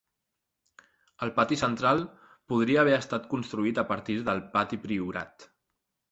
El pati central podria haver estat construït a partir del pati priorat.